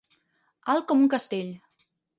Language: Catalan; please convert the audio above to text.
Alt com un castell.